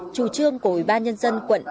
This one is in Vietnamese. chủ trương của ubnd quận